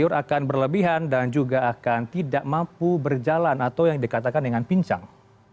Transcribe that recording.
tidur akan berlebihan dan juga akan tidak mampu berjalan atau yang dikatakan dengan pincang